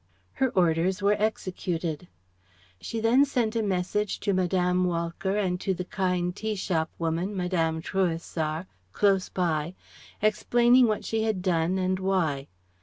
Her orders were executed. She then sent a message to Mme. Walcker and to the kind tea shop woman, Mme. Trouessart, close by, explaining what she had done and why.